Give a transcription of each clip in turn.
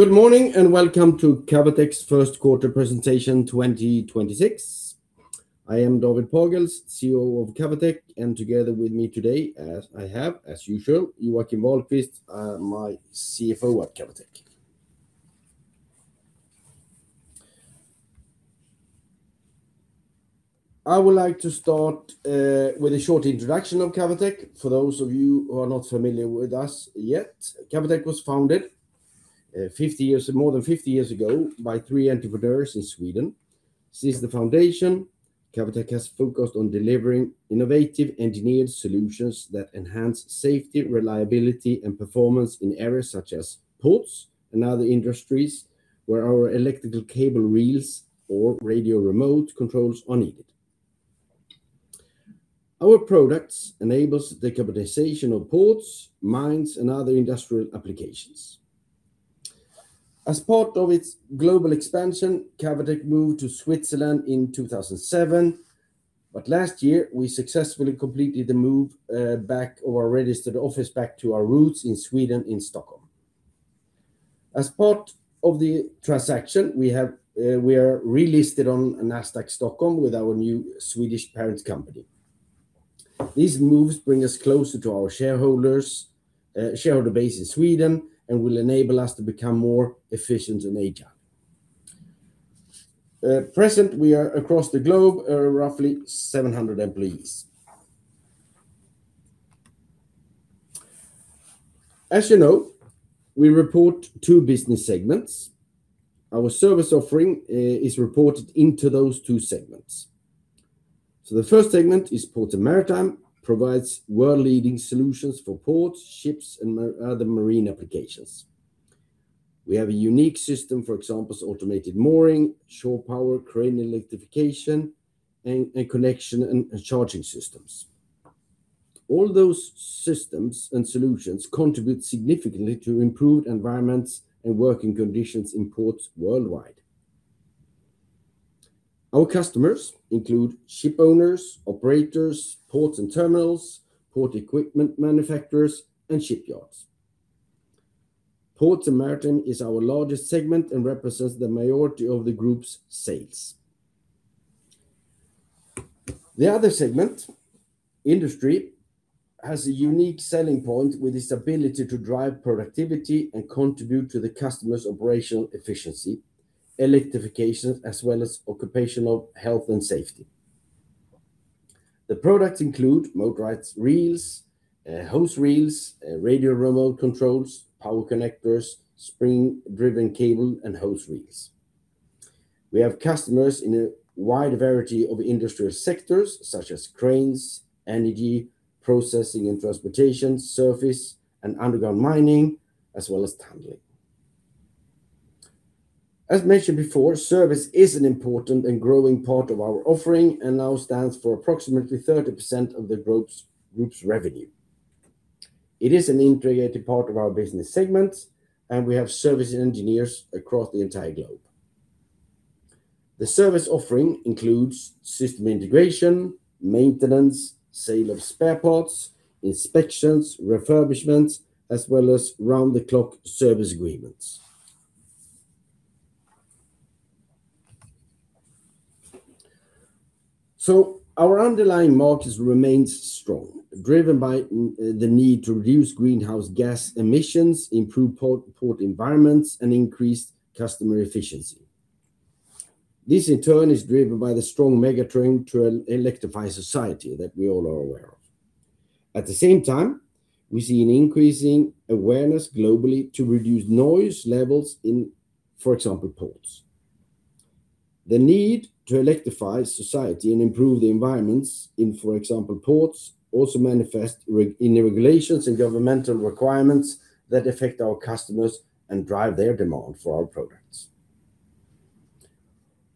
Good morning, and welcome to Cavotec's first quarter presentation 2026. I am David Pagels, CEO of Cavotec, and together with me today, as I have as usual, Joakim Wahlquist, my CFO at Cavotec. I would like to start with a short introduction of Cavotec for those of you who are not familiar with us yet. Cavotec was founded more than 50 years ago by three entrepreneurs in Sweden. Since the foundation, Cavotec has focused on delivering innovative engineered solutions that enhance safety, reliability, and performance in areas such as ports and other industries where our electrical cable reels or radio remote controls are needed. Our products enables the electrification of ports, mines, and other industrial applications. As part of its global expansion, Cavotec moved to Switzerland in 2007, but last year, we successfully completed the move back of our registered office to our roots in Sweden, in Stockholm. As part of the transaction, we are relisted on Nasdaq Stockholm with our new Swedish parent company. These moves bring us closer to our shareholder base in Sweden and will enable us to become more efficient and agile. At present, we have roughly 700 employees across the globe. As you know, we report two business segments. Our service offering is reported into those two segments. The first segment is Ports & Maritime, which provides world-leading solutions for ports, ships, and other marine applications. We have a unique system, for example, automated mooring, shore power, crane electrification, and connection and charging systems. All those systems and solutions contribute significantly to improved environments and working conditions in ports worldwide. Our customers include ship owners, operators, ports and terminals, port equipment manufacturers, and shipyards. Ports & Maritime is our largest segment and represents the majority of the group's sales. The other segment, Industry, has a unique selling point with its ability to drive productivity and contribute to the customers' operational efficiency, electrification, as well as occupational health and safety. The products include motorized reels, hose reels, radio remote controls, power connectors, spring-driven cable and hose reels. We have customers in a wide variety of industrial sectors such as cranes, energy, processing and transportation, surface and underground mining, as well as handling. As mentioned before, service is an important and growing part of our offering and now stands for approximately 30% of the group's revenue. It is an integrated part of our business segments, and we have service engineers across the entire globe. The service offering includes system integration, maintenance, sale of spare parts, inspections, refurbishments, as well as round-the-clock service agreements. Our underlying market remains strong, driven by the need to reduce greenhouse gas emissions, improve port environments, and increase customer efficiency. This in turn, is driven by the strong mega-trend to electrify society that we all are aware of. At the same time, we see an increasing awareness globally to reduce noise levels in, for example, ports. The need to electrify society and improve the environments in, for example, ports, also manifests in the regulations and governmental requirements that affect our customers and drive their demand for our products.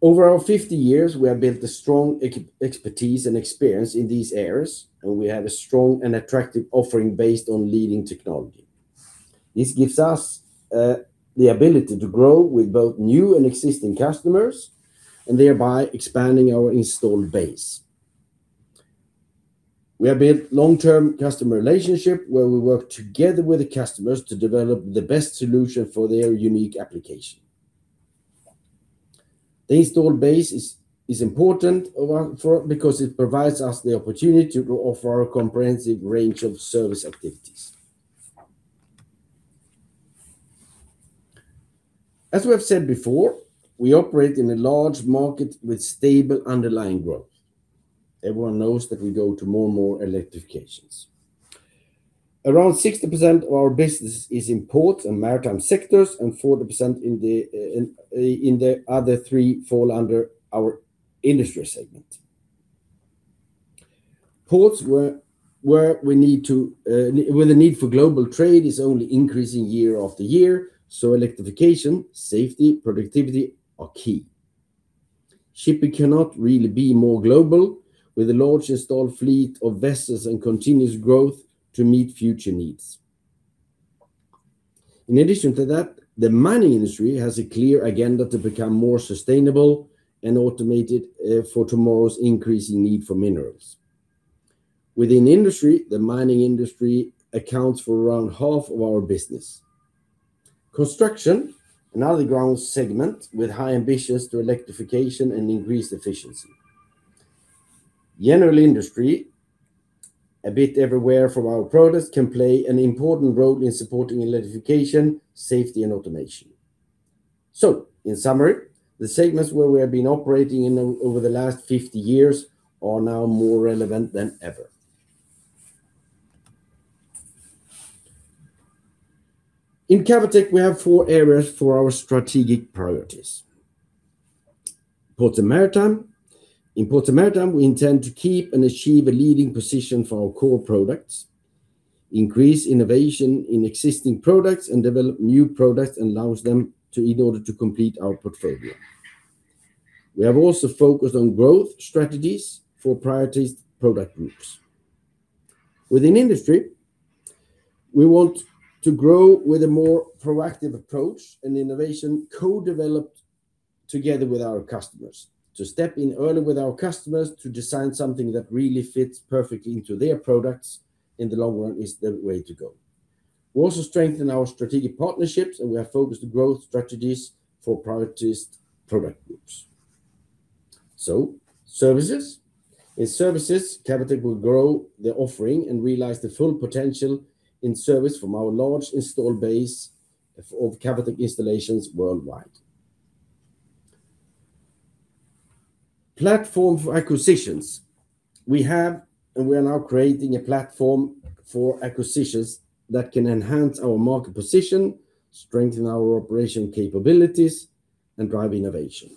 Over our 50 years, we have built a strong expertise and experience in these areas, and we have a strong and attractive offering based on leading technology. This gives us the ability to grow with both new and existing customers and thereby expanding our installed base. We have built long-term customer relationships where we work together with the customers to develop the best solution for their unique application. The installed base is important because it provides us the opportunity to offer a comprehensive range of service activities. As we have said before, we operate in a large market with stable underlying growth. Everyone knows that we go to more and more electrification. Around 60% of our business is in Ports & Maritime sectors, and 40%, the other three fall under our Industry segment. Ports, where the need for global trade is only increasing year after year, so electrification, safety, productivity are key. Shipping cannot really be more global, with the large installed fleet of vessels and continuous growth to meet future needs. In addition to that, the mining industry has a clear agenda to become more sustainable and automated, for tomorrow's increasing need for minerals. Within Industry, the mining industry accounts for around half of our business. Construction, another growth segment with high ambitions to electrification and increased efficiency. General Industry, a bit everywhere from our products, can play an important role in supporting electrification, safety and automation. In summary, the segments where we have been operating in over the last 50 years are now more relevant than ever. In Cavotec, we have four areas for our strategic priorities. Ports & Maritime. In Ports & Maritime, we intend to keep and achieve a leading position for our core products, increase innovation in existing products, and develop new products and launch them in order to complete our portfolio. We have also focused on growth strategies for prioritized product groups. Within Industry, we want to grow with a more proactive approach and innovation co-developed together with our customers. To step in early with our customers, to design something that really fits perfectly into their products in the long run is the way to go. We also strengthen our strategic partnerships, and we are focused on growth strategies for prioritized product groups. Services. In services, Cavotec will grow the offering and realize the full potential in service from our large install base of Cavotec installations worldwide. Platform for acquisitions. We have and we are now creating a platform for acquisitions that can enhance our market position, strengthen our operation capabilities, and drive innovation.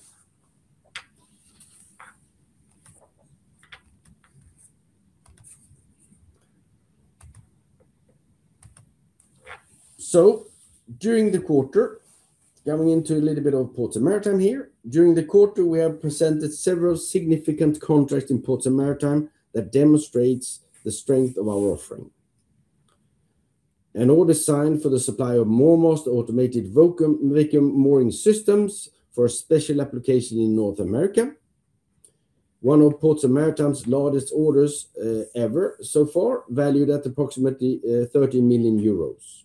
Coming into a little bit of Ports & Maritime here. During the quarter, we have presented several significant contracts in Ports & Maritime that demonstrates the strength of our offering. An order signed for the supply of MoorMaster automated vacuum mooring systems for a special application in North America, one of Ports & Maritime's largest orders ever so far, valued at approximately 30 million euros.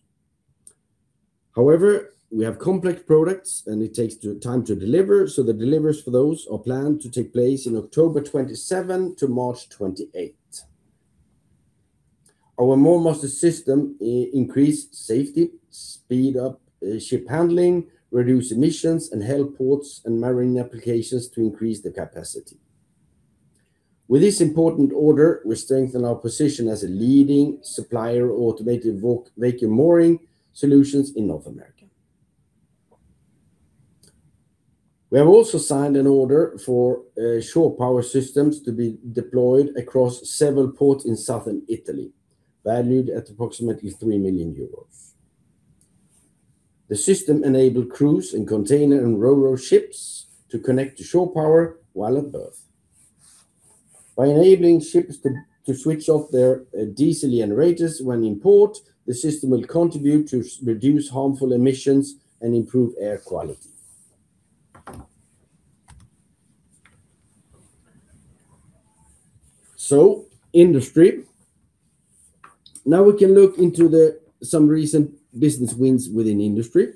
However, we have complex products and it takes time to deliver, so the deliveries for those are planned to take place in October 2027 to March 2028. Our MoorMaster system increased safety, speed up ship handling, reduce emissions, and help ports and marine applications to increase the capacity. With this important order, we strengthen our position as a leading supplier of automated vacuum mooring solutions in North America. We have also signed an order for shore power systems to be deployed across several ports in southern Italy, valued at approximately 3 million euros. The system enable cruise, and container, and ro-ro ships to connect to shore power while at berth. By enabling ships to switch off their diesel generators when in port, the system will contribute to reduce harmful emissions and improve air quality. Industry. Now we can look into some recent business wins within Industry.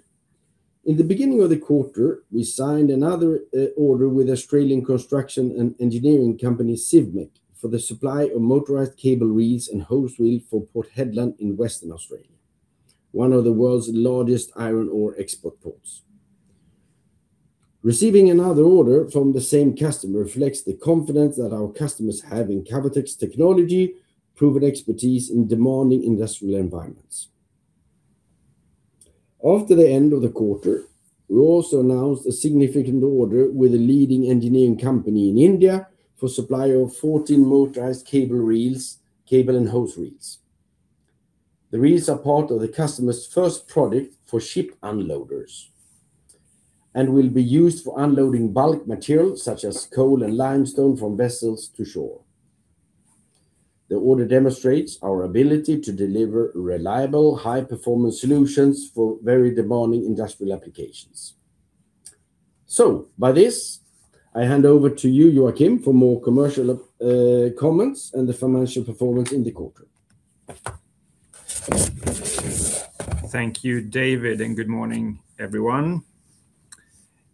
In the beginning of the quarter, we signed another order with Australian construction and engineering company, Civmec, for the supply of motorized cable reels and hose reels for Port Hedland in Western Australia, one of the world's largest iron ore export ports. Receiving another order from the same customer reflects the confidence that our customers have in Cavotec's technology, proven expertise in demanding industrial environments. After the end of the quarter, we also announced a significant order with a leading engineering company in India for supply of 14 motorized cable and hose reels. The reels are part of the customer's first product for ship unloaders and will be used for unloading bulk material such as coal and limestone from vessels to shore. The order demonstrates our ability to deliver reliable, high-performance solutions for very demanding industrial applications. By this, I hand over to you, Joakim, for more commercial comments and the financial performance in the quarter. Thank you, David, and good morning, everyone.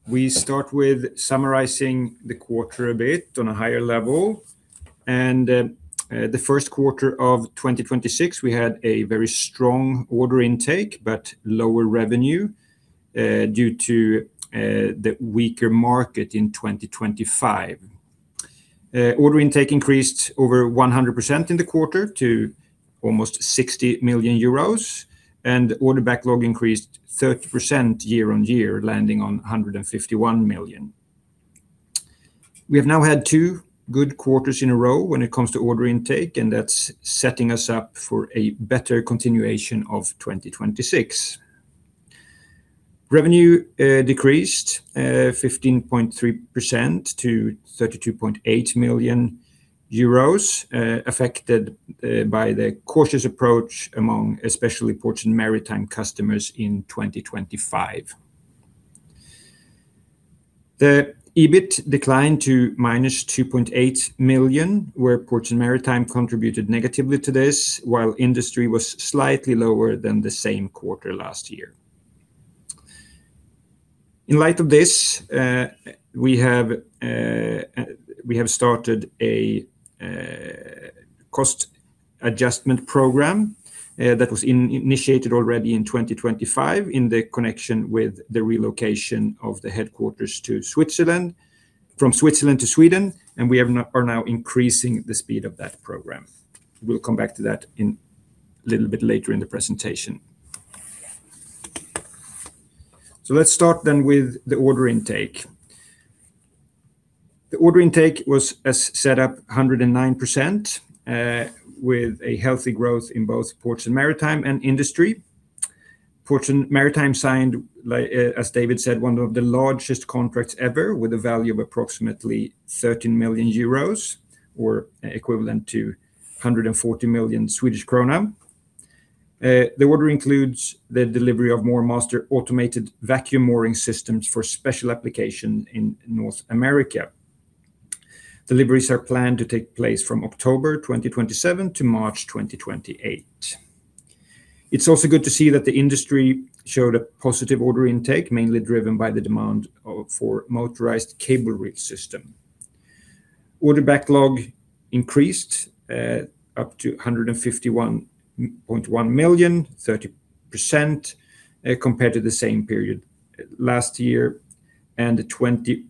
We start with summarizing the quarter a bit on a higher level. In the first quarter of 2026, we had a very strong order intake, but lower revenue due to the weaker market in 2025. Order intake increased over 100% in the quarter to almost 60 million euros and order backlog increased 30% year-on-year, landing on 151 million. We have now had two good quarters in a row when it comes to order intake, and that's setting us up for a better continuation of 2026. Revenue decreased 15.3% to 32.8 million euros, affected by the cautious approach among especially Ports & Maritime customers in 2025. The EBIT declined to -2.8 million, where Ports & Maritime contributed negatively to this, while Industry was slightly lower than the same quarter last year. In light of this, we have started a cost adjustment program that was initiated already in 2025 in the connection with the relocation of the headquarters from Switzerland to Sweden, and we are now increasing the speed of that program. We'll come back to that a little bit later in the presentation. Let's start then with the order intake. The order intake was up 109%, with a healthy growth in both Ports & Maritime and Industry. Ports & Maritime signed, as David said, one of the largest contracts ever with a value of approximately 13 million euros, or equivalent to 140 million Swedish krona. The order includes the delivery of MoorMaster automated vacuum mooring systems for special application in North America. Deliveries are planned to take place from October 2027 to March 2028. It's also good to see that the Industry showed a positive order intake, mainly driven by the demand for motorized cable reel systems. Order backlog increased to 151.1 million, 30% compared to the same period last year, and 21%,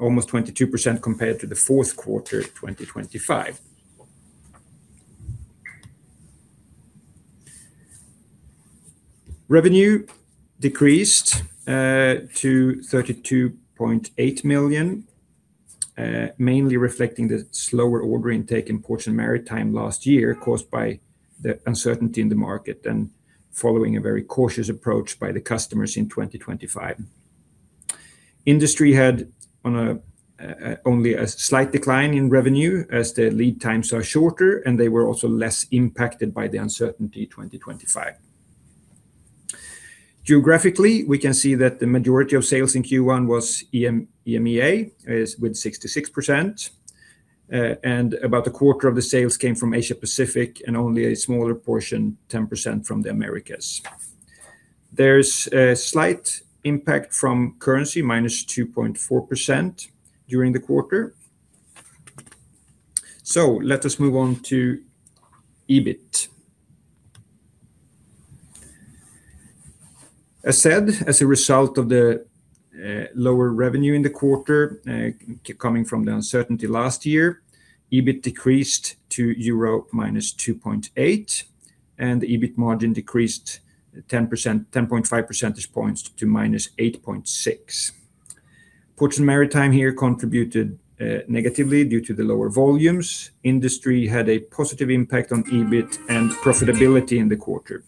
almost 22% compared to the fourth quarter of 2025. Revenue decreased to 32.8 million, mainly reflecting the slower order intake in Ports & Maritime last year caused by the uncertainty in the market and following a very cautious approach by the customers in 2025. Industry had only a slight decline in revenue as the lead times are shorter, and they were also less impacted by the uncertainty in 2025. Geographically, we can see that the majority of sales in Q1 was EMEA, with 66%, and about a quarter of the sales came from Asia-Pacific, and only a smaller portion, 10%, from the Americas. There's a slight impact from currency, minus 2.4%, during the quarter. Let us move on to EBIT. As said, as a result of the lower revenue in the quarter coming from the uncertainty last year, EBIT decreased to -2.8 million euro and the EBIT margin decreased 10.5 percentage points to -8.6%. Ports & Maritime here contributed negatively due to the lower volumes. Industry had a positive impact on EBIT and profitability in the quarter.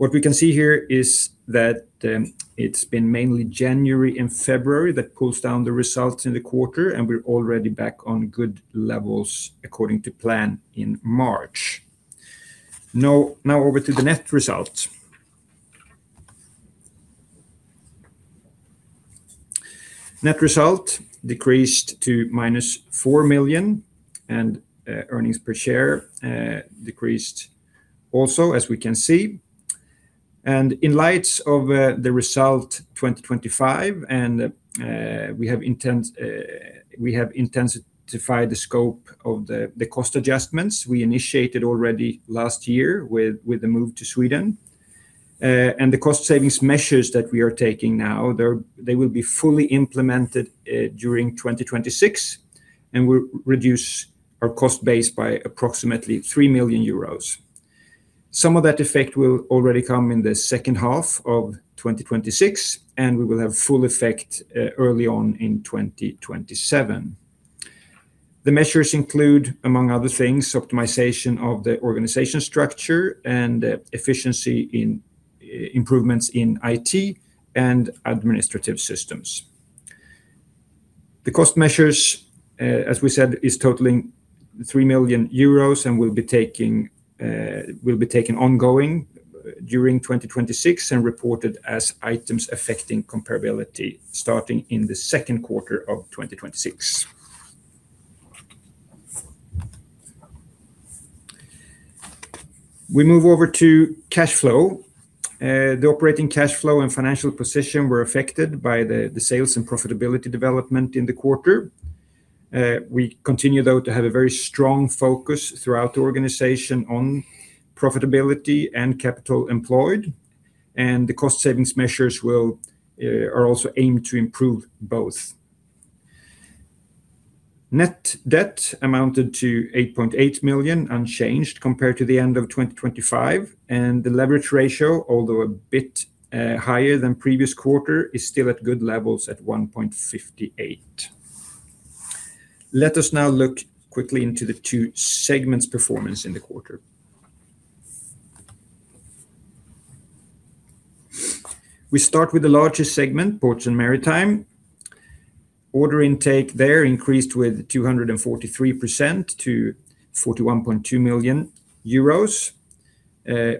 What we can see here is that it's been mainly January and February that pulls down the results in the quarter, and we're already back on good levels according to plan in March. Now over to the net result. Net result decreased to -4 million and earnings per share decreased also, as we can see. In light of the result 2025, we have intensified the scope of the cost adjustments we initiated already last year with the move to Sweden. The cost savings measures that we are taking now, they will be fully implemented during 2026 and will reduce our cost base by approximately 3 million euros. Some of that effect will already come in the second half of 2026, and we will have full effect early on in 2027. The measures include, among other things, optimization of the organization structure and efficiency improvements in IT and administrative systems. The cost measures, as we said, is totaling 3 million euros and will be taken ongoing during 2026 and reported as items affecting comparability starting in the second quarter of 2026. We move over to cash flow. The operating cash flow and financial position were affected by the sales and profitability development in the quarter. We continue, though, to have a very strong focus throughout the organization on profitability and capital employed, and the cost savings measures are also aimed to improve both. Net debt amounted to 8.8 million, unchanged compared to the end of 2025. The leverage ratio, although a bit higher than previous quarter, is still at good levels at 1.58. Let us now look quickly into the two segments' performance in the quarter. We start with the largest segment, Ports and Maritime. Order intake there increased with 243% to 41.2 million euros,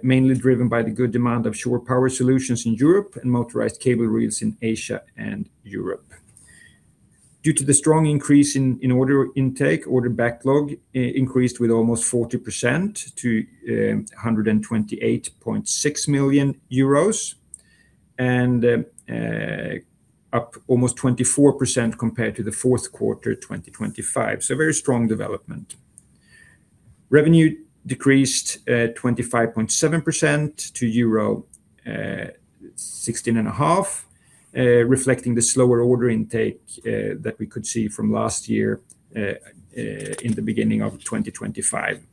mainly driven by the good demand of shore power solutions in Europe and motorized cable reels in Asia and Europe. Due to the strong increase in order intake, order backlog increased with almost 40% to 128.6 million euros and up almost 24% compared to the fourth quarter 2025. Very strong development. Revenue decreased 25.7% to euro 16.5 million, reflecting the slower order intake that we could see from last year in the beginning of 2025.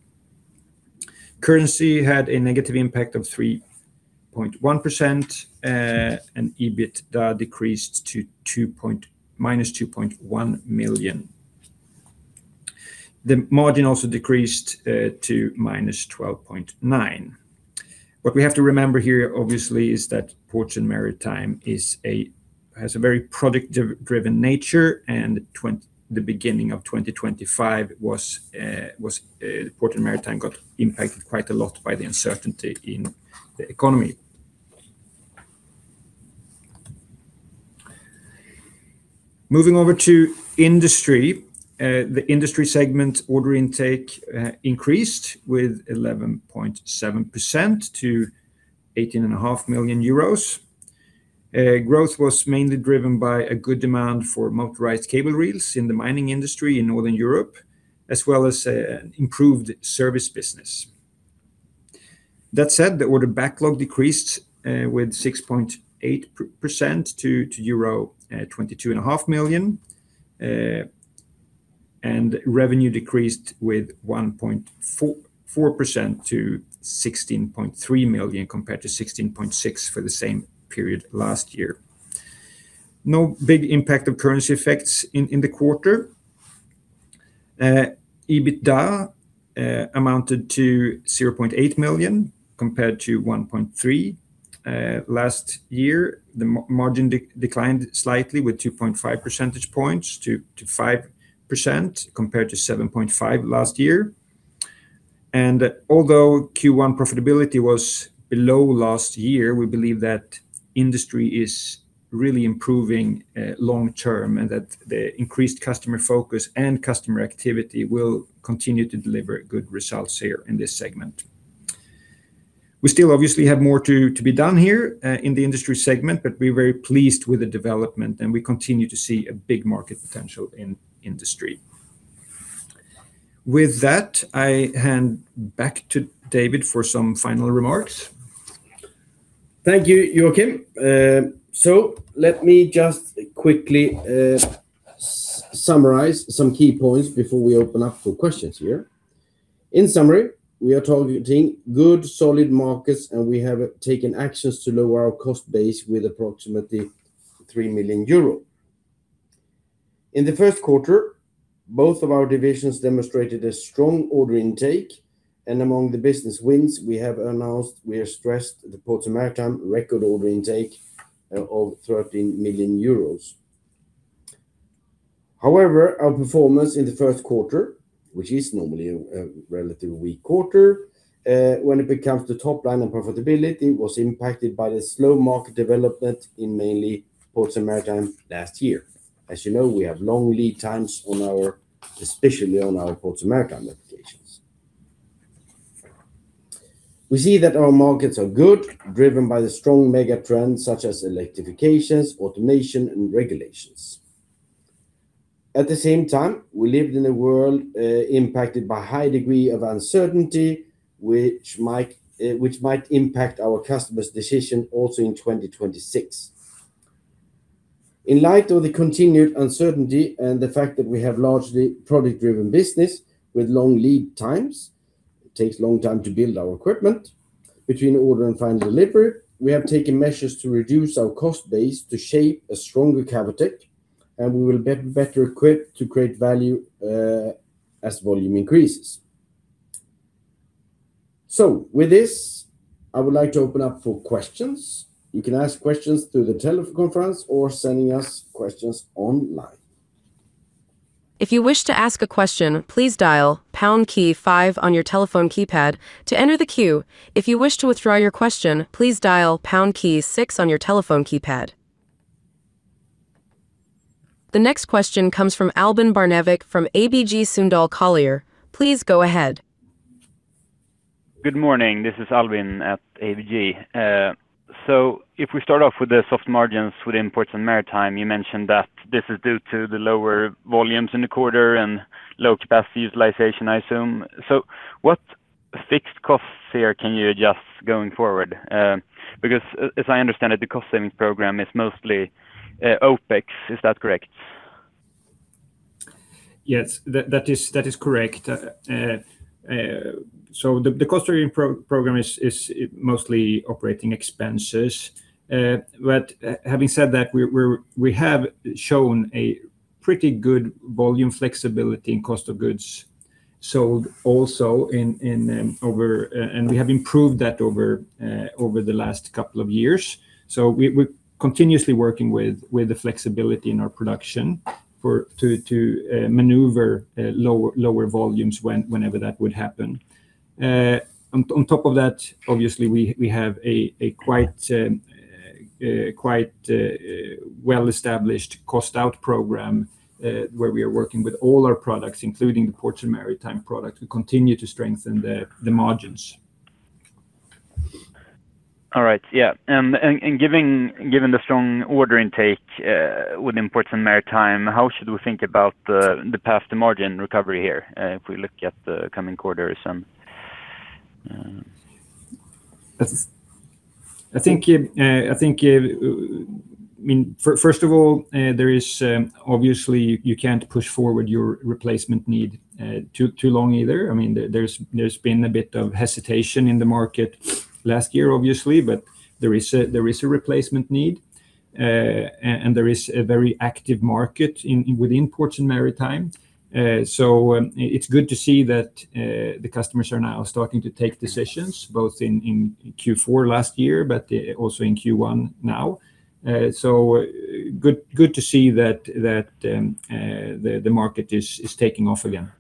Currency had a negative impact of 3.1%, and EBIT decreased to -2.1 million. The margin also decreased to -12.9%. What we have to remember here, obviously, is that Ports and Maritime has a very product-driven nature, and the beginning of 2025, Ports and Maritime got impacted quite a lot by the uncertainty in the economy. Moving over to Industry. The Industry segment order intake increased with 11.7% to 18.5 million euros. Growth was mainly driven by a good demand for motorized cable reels in the mining industry in Northern Europe, as well as an improved service business. That said, the order backlog decreased with 6.8% to euro 22.5 million, and revenue decreased with 1.4% to 16.3 million, compared to 16.6 million for the same period last year. No big impact of currency effects in the quarter. EBITDA amounted to 0.8 million, compared to 1.3 million last year. The margin declined slightly with 2.5 percentage points to 5%, compared to 7.5% last year. Although Q1 profitability was below last year, we believe that Industry is really improving long-term, and that the increased customer focus and customer activity will continue to deliver good results here in this segment. We still obviously have more to be done here, in the Industry segment, but we're very pleased with the development, and we continue to see a big market potential in Industry. With that, I hand back to David for some final remarks. Thank you, Joakim Wahlquist. Let me just quickly summarize some key points before we open up for questions here. In summary, we are targeting good, solid markets, and we have taken actions to lower our cost base with approximately 3 million euro. In the first quarter, both of our divisions demonstrated a strong order intake and among the business wins we have announced, we have stressed the Ports and Maritime record order intake of 13 million euros. However, our performance in the first quarter, which is normally a relatively weak quarter, when it comes to the top line and profitability, was impacted by the slow market development in mainly Ports and Maritime last year. As you know, we have long lead times, especially on our Ports and Maritime applications. We see that our markets are good, driven by the strong mega trends such as electrification, automation, and regulations. At the same time, we lived in a world impacted by high degree of uncertainty, which might impact our customers' decision also in 2026. In light of the continued uncertainty and the fact that we have largely product-driven business with long lead times, it takes a long time to build our equipment between order and final delivery. We have taken measures to reduce our cost base to shape a stronger Cavotec, and we will be better equipped to create value as volume increases. With this, I would like to open up for questions. You can ask questions through the telephone conference or sending us questions online. If you wish to ask a question, please dial #5 on your telephone keypad to enter the queue. If you wish to withdraw your question, please dial #6 on your telephone keypad. The next question comes from Albin Barnevik from ABG Sundal Collier. Please go ahead. Good morning. This is Albin at ABG. If we start off with the soft margins within Ports & Maritime, you mentioned that this is due to the lower volumes in the quarter and low capacity utilization, I assume. What fixed costs here can you adjust going forward? Because, as I understand it, the cost-savings program is mostly OpEx. Is that correct? Yes, that is correct. The cost-saving program is mostly operating expenses. Having said that, we have shown a pretty good volume flexibility in cost of goods sold also, and we have improved that over the last couple of years. We're continuously working with the flexibility in our production to maneuver lower volumes whenever that would happen. On top of that, obviously, we have a quite well-established cost-out program, where we are working with all our products, including the Ports and Maritime product. We continue to strengthen the margins. All right. Yeah. Given the strong order intake within Ports & Maritime, how should we think about the path to margin recovery here if we look at the coming quarters? First of all, obviously, you can't push forward your replacement need too long either. There's been a bit of hesitation in the market last year, obviously, but there is a replacement need, and there is a very active market within Ports and Maritime. It's good to see that the customers are now starting to take decisions, both in Q4 last year, but also in Q1 now. Good to see that the market is taking off again.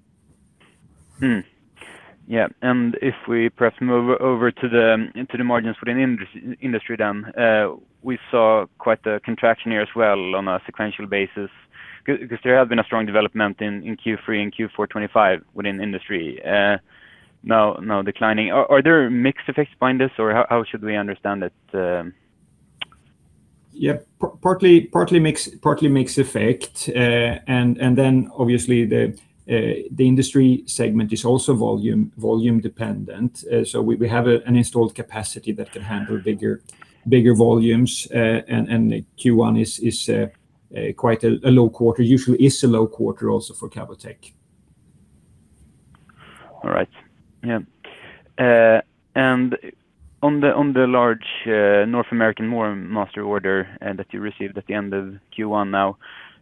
Yeah. If we perhaps move over into the margins within Industry, then we saw quite a contraction here as well on a sequential basis, because there has been a strong development in Q3 and Q4 2025 within Industry. Now declining. Are there mixed effects behind this, or how should we understand it? Yeah. Partly mixed effect, and then obviously the Industry segment is also volume-dependent. We have an installed capacity that can handle bigger volumes, and Q1 is quite a low quarter, usually is a low quarter also for Cavotec. All right. Yeah. On the large North American MoorMaster order that you received at the end of Q1 now,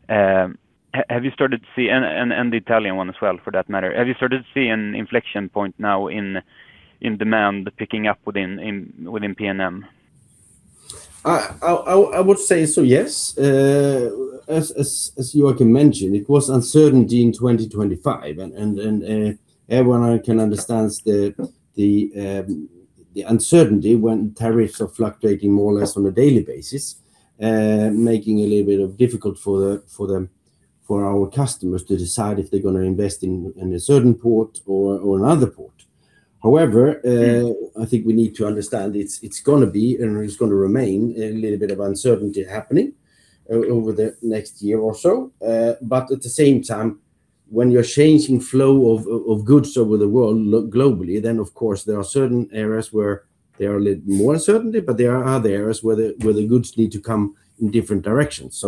and the Italian one as well for that matter, have you started to see an inflection point now in demand picking up within P&M? I would say so, yes. As Joakim mentioned, it was uncertainty in 2025. Everyone can understand the uncertainty when tariffs are fluctuating more or less on a daily basis, making it a little bit difficult for our customers to decide if they're going to invest in a certain port or another port. However, I think we need to understand it's going to be and it's going to remain a little bit of uncertainty happening over the next year or so. At the same time, when you're changing flow of goods over the world globally, then of course there are certain areas where there are a little more uncertainty, but there are other areas where the goods need to come in different directions.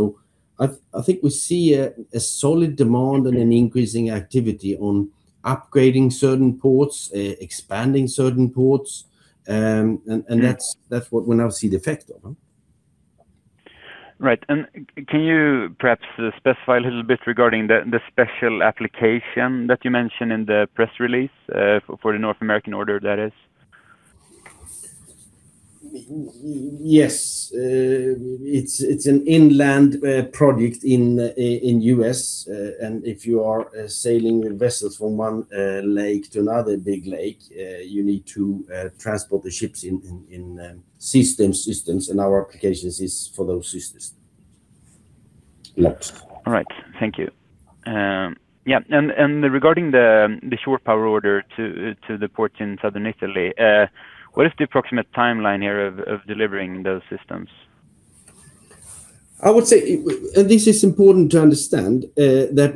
I think we see a solid demand and an increasing activity on upgrading certain ports, expanding certain ports, and that's what we now see the effect of. Right. Can you perhaps specify a little bit regarding the special application that you mentioned in the press release for the North American order, that is? Yes. It's an inland project in the U.S., if you are sailing vessels from one lake to another big lake, you need to transport the ships in systems, and our applications is for those systems. Yes. All right, thank you. Yeah, regarding the shore power order to the port in Southern Italy, what is the approximate timeline here of delivering those systems? I would say, and this is important to understand, that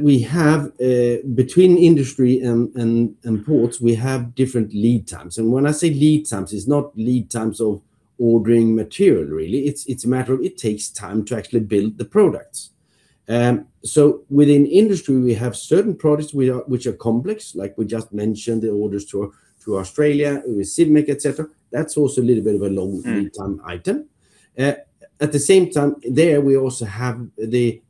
between Industry and Ports, we have different lead times. When I say lead times, it's not lead times of ordering material, really. It's a matter of it takes time to actually build the products. Within Industry, we have certain products which are complex, like we just mentioned, the orders to Australia with Civmec, et cetera. That's also a little bit of a long lead time item. At the same time, there, we also have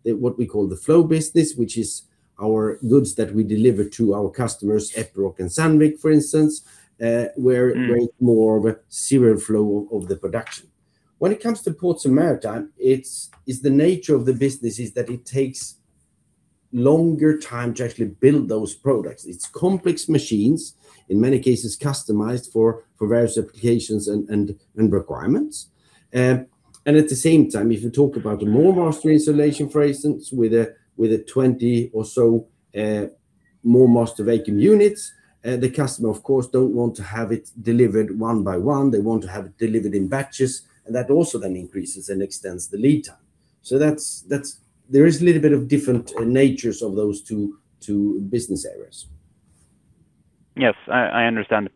what we call the flow business, which is our goods that we deliver to our customers, Epiroc and Sandvik, for instance, where there is more of a serial flow of the production. When it comes to Ports & Maritime, it's the nature of the business is that it takes longer time to actually build those products. It's complex machines, in many cases customized for various applications and requirements. At the same time, if you talk about the MoorMaster installation, for instance, with 20 or so MoorMaster vacuum units, the customer, of course, don't want to have it delivered one by one. They want to have it delivered in batches, and that also then increases and extends the lead time. There is a little bit of different natures of those two business areas. Yes. I understand.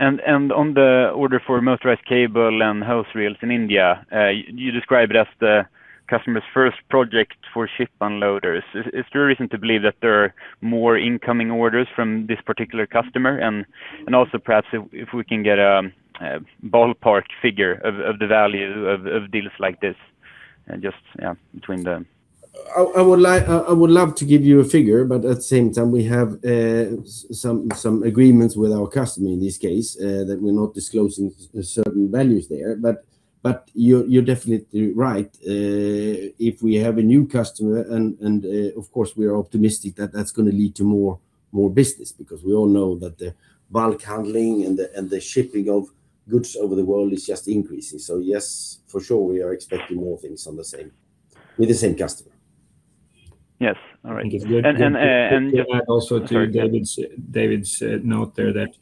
On the order for motorized cable and hose reels in India, you describe it as the customer's first project for ship unloaders. Is there a reason to believe that there are more incoming orders from this particular customer? Also perhaps if we can get a ballpark figure of the value of deals like this? Just, yeah, between them I would love to give you a figure, but at the same time, we have some agreements with our customer, in this case, that we're not disclosing certain values there. You're definitely right. If we have a new customer, and of course, we are optimistic that that's going to lead to more business, because we all know that the bulk handling and the shipping of goods over the world is just increasing. Yes, for sure, we are expecting more things with the same customer. Yes. All right. I think it's good. Sorry. Can I add to David's note there that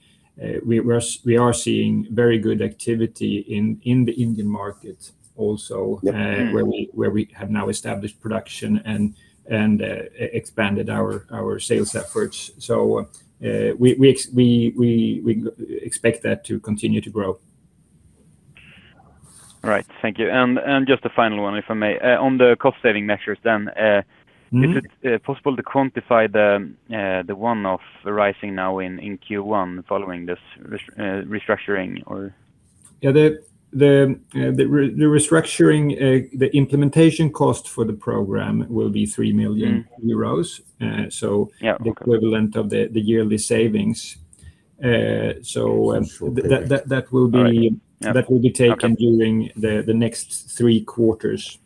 we are seeing very good activity in the Indian market also. Yeah. Mm. Where we have now established production and expanded our sales efforts. We expect that to continue to grow. All right. Thank you. Just a final one, if I may. On the cost-saving measures then. Mm-hmm Is it possible to quantify the one-off arising now in Q1 following this restructuring or? Yeah. The restructuring, the implementation cost for the program will be 3 million euros. Yeah. Okay. The equivalent of the yearly savings. Yes. That will be- All right. Yeah. Okay. Taken during the next three quarters.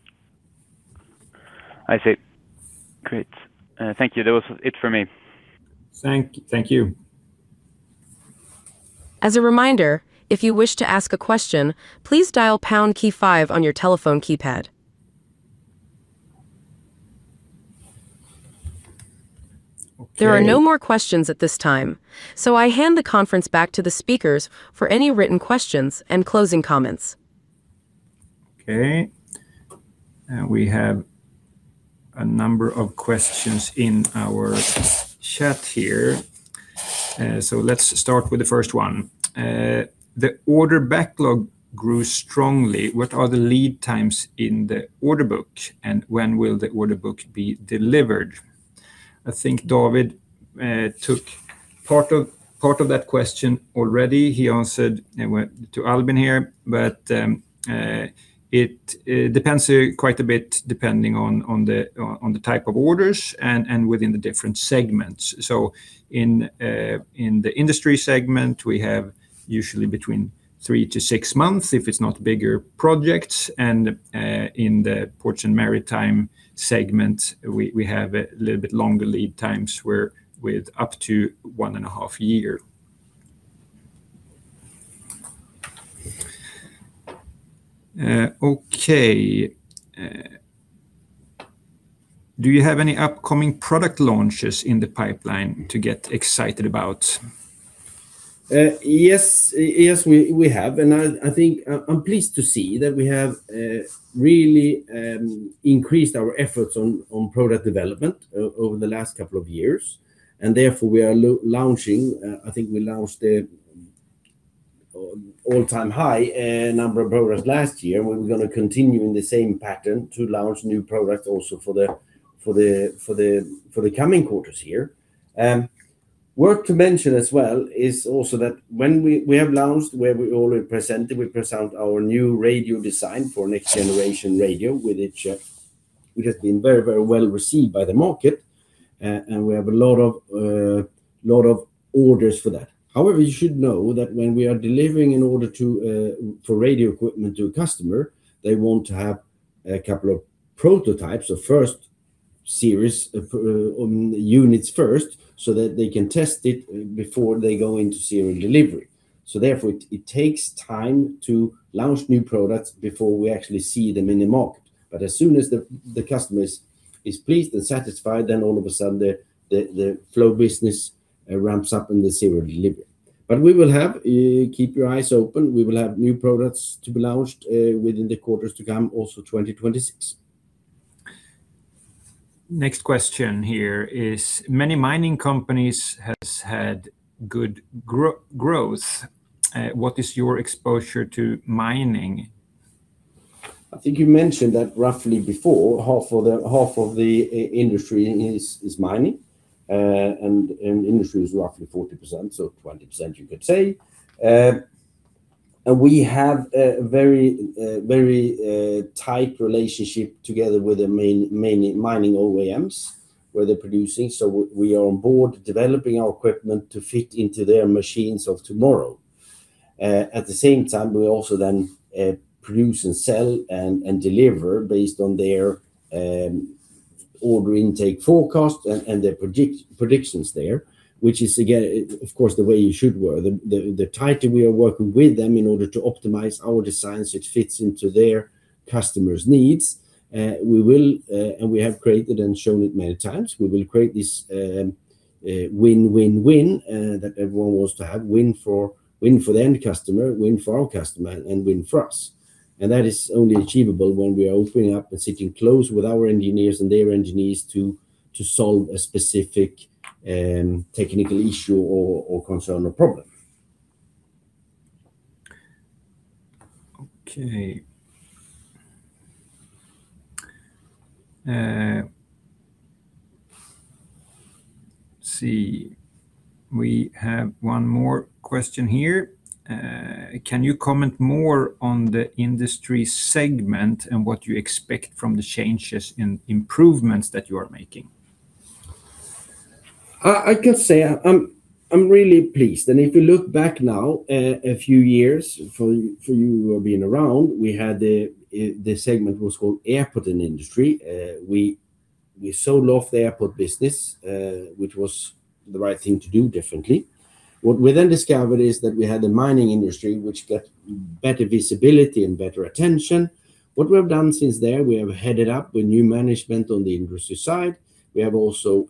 I see. Great. Thank you. That was it for me. Thank you. As a reminder, if you wish to ask a question, please dial pound key five on your telephone keypad. Okay. There are no more questions at this time, so I hand the conference back to the speakers for any written questions and closing comments. Okay. We have a number of questions in our chat here. Let's start with the first one. The order backlog grew strongly. What are the lead times in the order book, and when will the order book be delivered? I think David took part of that question already. He answered to Albin here. It depends quite a bit, depending on the type of orders and within the different segments. In the Industry segment, we have usually between 3-6 months if it's not bigger projects. In the Ports and Maritime segment, we have a little bit longer lead times with up to 1.5 years. Okay. Do you have any upcoming product launches in the pipeline to get excited about? Yes, we have. I'm pleased to see that we have really increased our efforts on product development over the last couple of years. Therefore, we are launching. I think we launched the all-time high number of products last year, and we're going to continue in the same pattern to launch new products also for the coming quarters here. Worth mentioning as well is that when we have launched, which we already presented, we present our new radio design for next generation radio, which has been very well received by the market. We have a lot of orders for that. However, you should know that when we are delivering an order for radio equipment to a customer, they want to have a couple of prototypes, units first so that they can test it before they go into serial delivery. Therefore, it takes time to launch new products before we actually see them in the market. As soon as the customer is pleased and satisfied, then all of a sudden the flow business ramps up in the serial delivery. Keep your eyes open. We will have new products to be launched, within the quarters to come, also 2026. Next question here is, many mining companies has had good growth. What is your exposure to mining? I think you mentioned that roughly before, half of the Industry is mining, and Industry is roughly 40%, so 20%, you could say. We have a very tight relationship together with the mining OEMs where they're producing. We are on board developing our equipment to fit into their machines of tomorrow. At the same time, we also then produce and sell and deliver based on their order intake forecast and their predictions there, which is again, of course, the way you should work, the tighter we are working with them in order to optimize our designs, it fits into their customers' needs. We have created and shown it many times. We will create this win-win-win, that everyone wants to have, win for the end customer, win for our customer, and win for us. That is only achievable when we are opening up and sitting close with our engineers and their engineers to solve a specific technical issue or concern or problem. Okay. Let's see. We have one more question here. Can you comment more on the Industry segment and what you expect from the changes and improvements that you are making? I can say I'm really pleased. If you look back now, a few years for you who have been around, we had the segment was called Airport and Industry. We sold off the airport business, which was the right thing to do differently. What we then discovered is that we had the mining industry, which got better visibility and better attention. What we have done since then, we have headed up with new management on the Industry side. We have also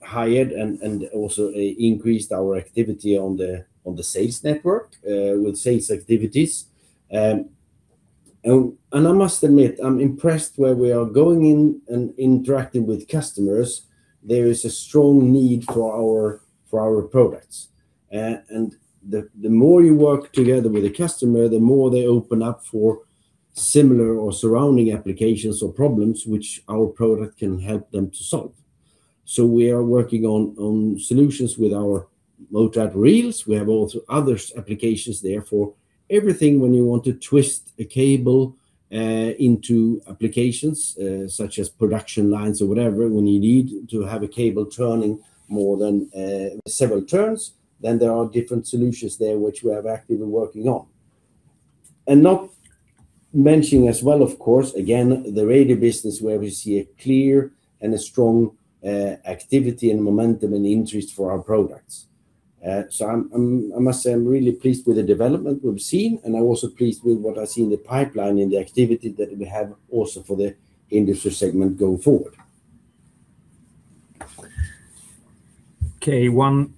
hired and also increased our activity on the sales network with sales activities. I must admit, I'm impressed where we are going in and interacting with customers. There is a strong need for our products. The more you work together with a customer, the more they open up for similar or surrounding applications or problems, which our product can help them to solve. We are working on solutions with our Motorized Reels. We have also other applications there for everything when you want to twist a cable into applications, such as production lines or whatever, when you need to have a cable turning more than several turns, then there are different solutions there, which we are actively working on. Not to mention as well, of course, again, the radio business, where we see a clear and a strong activity and momentum and interest for our products. I must say, I'm really pleased with the development we've seen, and I'm also pleased with what I see in the pipeline and the activity that we have also for the Industry segment going forward. Okay, one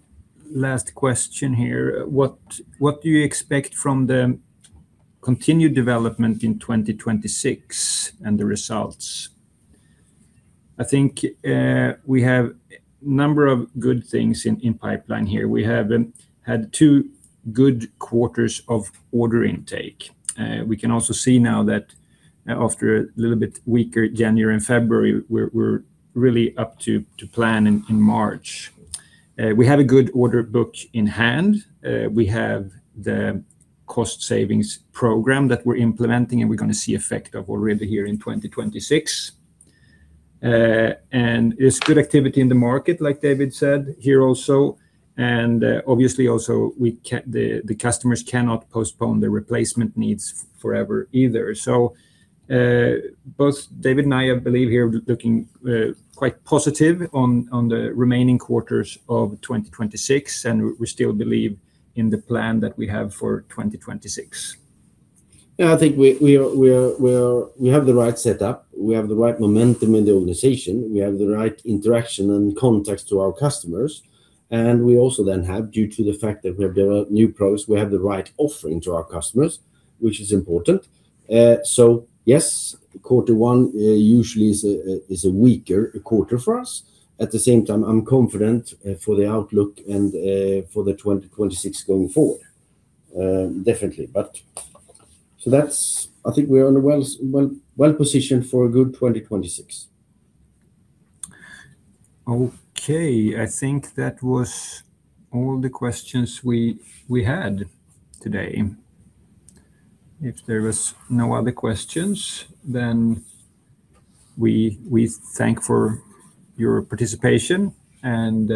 last question here. What do you expect from the continued development in 2026 and the results? I think we have a number of good things in pipeline here. We have had two good quarters of order intake. We can also see now that after a little bit weaker January and February, we're really up to plan in March. We have a good order book in hand. We have the cost savings program that we're implementing, and we're going to see effect of already here in 2026. It's good activity in the market, like David said here also, and obviously also the customers cannot postpone the replacement needs forever either. Both David and I believe here looking quite positive on the remaining quarters of 2026, and we still believe in the plan that we have for 2026. Yeah, I think we have the right setup. We have the right momentum in the organization. We have the right interaction and context to our customers, and we also then have, due to the fact that we have developed new products, we have the right offering to our customers, which is important. Yes, quarter one usually is a weaker quarter for us. At the same time, I'm confident for the outlook and for the 2026 going forward, definitely. I think we are well positioned for a good 2026. Okay, I think that was all the questions we had today. If there was no other questions, then we thank you for your participation and